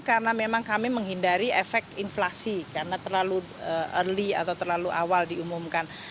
karena memang kami menghindari efek inflasi karena terlalu early atau terlalu awal diumumkan